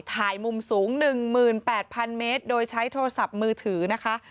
ถ่ายมุมสูง๑๘๐๐๐เมตรโดยใช้โทรศัพท์มือถือนะคะ